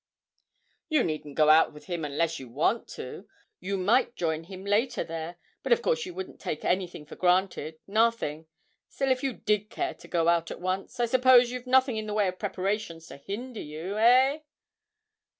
'You needn't go out with him unless you want to you might join him later there; but of course you wouldn't take anything for granted, nothing. Still, if you did care to go out at once, I suppose you've nothing in the way of preparations to hinder you, eh?'